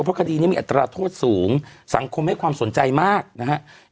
เพราะคดีนี้มีอัตราโทษสูงสังคมให้ความสนใจมากนะฮะ